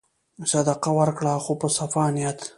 صدقه ورکړه خو په صفا نیت.